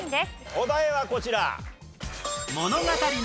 お題はこちら。